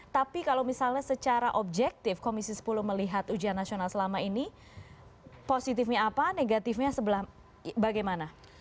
tapi kalau misalnya secara objektif komisi sepuluh melihat ujian nasional selama ini positifnya apa negatifnya bagaimana